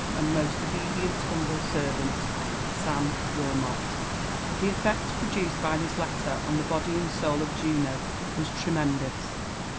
*' and most obedient humble senrant, <* Sam WiLMOT." The effect produced by this letter on the body and soul of Juoo was tremendous.